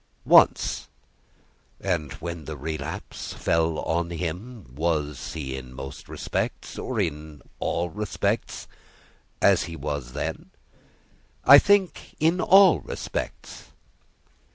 "Once." "And when the relapse fell on him, was he in most respects or in all respects as he was then?" "I think in all respects."